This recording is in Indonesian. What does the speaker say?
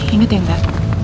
ingat ya enggak